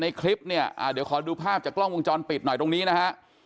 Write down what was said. คลิปเนี่ยเดี๋ยวขอดูภาพจากกล้องวงจรปิดหน่อยตรงนี้นะฮะ